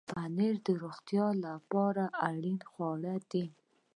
پنېر د روغتیا لپاره اړین خواړه دي.